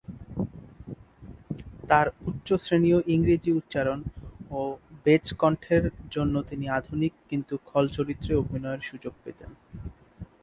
তার উচ্চ শ্রেণীয় ইংরেজি উচ্চারণ ও বেজ কণ্ঠের জন্য তিনি আধুনিক কিন্তু খলচরিত্রে অভিনয়ের সুযোগ পেতেন।